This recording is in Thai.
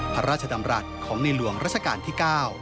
พระราชดำรัฐของในหลวงราชการที่๙